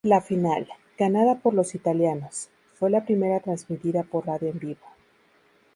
La final, ganada por los italianos, fue la primera transmitida por radio en vivo.